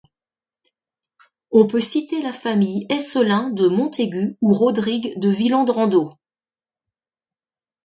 On peut citer la famille Aycelin de Montaigut ou Rodrigue de Villandrando.